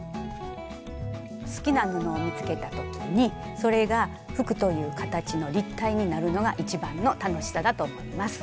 好きな布を見つけた時にそれが服という形の立体になるのが一番の楽しさだと思います。